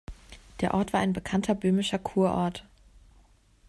Der Ort war ein bekannter böhmischer Kurort.